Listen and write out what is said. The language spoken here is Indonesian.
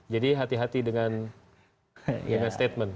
jadi hati hati dengan statement